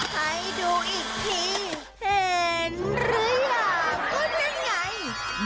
ให้ดูอีกทีเห็นหรือยังก็นั่นไง